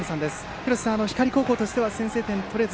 廣瀬さん、光高校としては先制点が取れず。